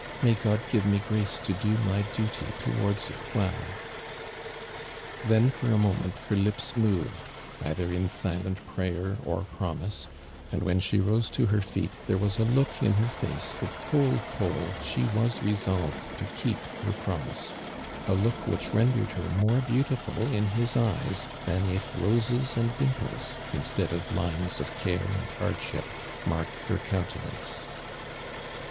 Miiy (lod give me grace to do my duty towards it well !" 'I'licn for II moment her lips moved oitin'r in silent jiriiycr or promise, and when she rose to her loot thiMo was a look in her face that told I'aul nhe was resolved to keep hei' jnomise— a look wliich rendered her moie l)eauliful in liis eyt s than if roses and dim l>le8, instead of lines of caro and hardsiiip, marked her countoiumce.